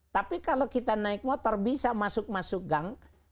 tapi kalau kita naik motor bisa masuk masuk gang